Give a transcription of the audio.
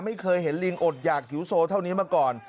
ไม่เคยเห็นลิงอดหยากหิวโซเท่านี้มาก่อน